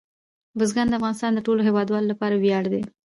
بزګان د افغانستان د ټولو هیوادوالو لپاره ویاړ دی.